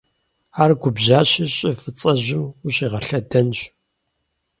Ар губжьащи щӀы фӀыцӀэжьым ущӀигъэлъэдэнщ.